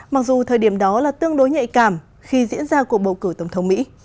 mặc dù thời điểm đó là tương đối nhạy cảm khi diễn ra cuộc bầu cử tổng thống mỹ